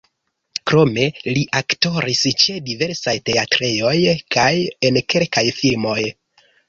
Krome li aktoris ĉe diversaj teatrejoj kaj en kelkaj filmoj.